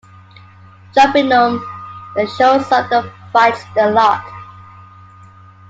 Cherubimon then shows up and fights the lot.